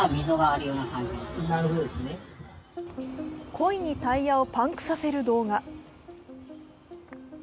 故意にタイヤをパンクさせる動画。